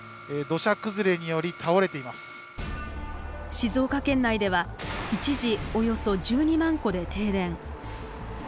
静岡県内では一時およそ１２万戸で停電。